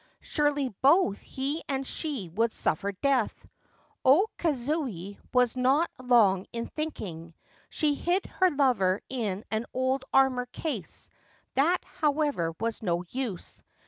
Surely both he and she would suffer death ! O Kazuye was not long in thinking. She hid her lover in an old armour case. That, however, was no use.